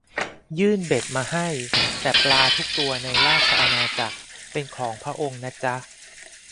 ยื่นเบ็ดมาให้ แต่ปลาทุกตัวในราชอาณาจักรเป็นของพระองค์นะจ๊ะ